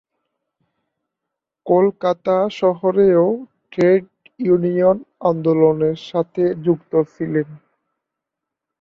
কলকাতা শহরেও trade union আন্দোলনের সাথে যুক্ত ছিলেন।